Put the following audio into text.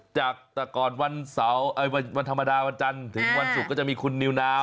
จากแต่ก่อนวันเสาร์วันธรรมดาวันจันทร์ถึงวันศุกร์ก็จะมีคุณนิวนาว